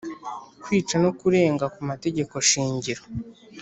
Kwica no kurenga ku mategeko shingiro